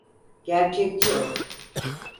Gerçekçi ol.